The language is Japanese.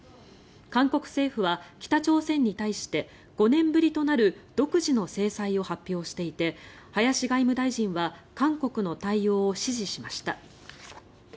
韓国政府は北朝鮮に対して５年ぶりとなる独自の制裁を発表していて林外務大臣は韓国の対応を支持しました。